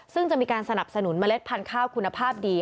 ซึ่งจะมีการสนับสนุนเมล็ดพันธุ์ข้าวคุณภาพดี